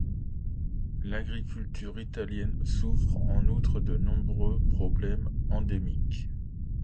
L'agriculture italienne soufre en outre de nombreux problèmes endémiques.